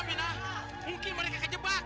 mungkin mereka terjebak